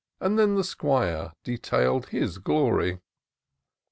And then the 'Squire detail'd his gloiy.